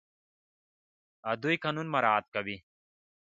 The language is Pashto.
دوی قانون مراعات کوي.